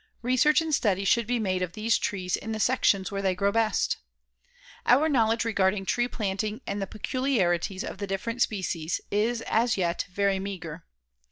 Research and study should be made of these trees in the sections where they grow best. Our knowledge regarding tree planting and the peculiarities of the different species is, as yet, very meagre.